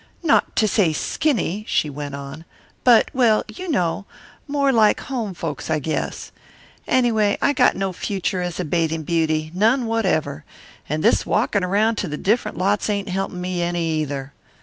"Not to say skinny." she went on, "but well, you know more like home folks, I guess. Anyway, I got no future as a bathing beauty none whatever. And this walkin' around to the different lots ain't helpin' me any, either.